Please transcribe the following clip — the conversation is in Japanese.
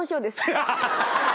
ハハハハ！